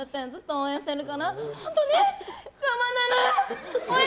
応援してるからね！